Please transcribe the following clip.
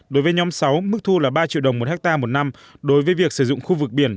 đối với nhóm sáu mức thu là ba triệu đồng một hectare một năm đối với việc sử dụng khu vực biển